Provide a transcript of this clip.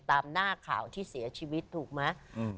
ตามหน้าข่าวที่เสียชีวิตถูกไหม